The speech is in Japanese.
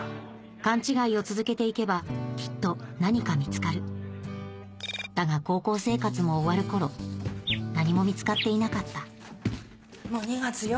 勘違いを続けていけばきっと何か見つかるだが高校生活も終わる頃何も見つかっていなかったもう２月よ